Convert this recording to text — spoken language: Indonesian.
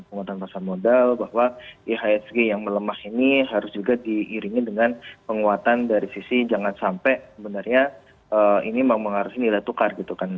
penguatan pasar modal bahwa ihsg yang melemah ini harus juga diiringi dengan penguatan dari sisi jangan sampai benarnya ini memang mengaruhi nilai tukar gitu kan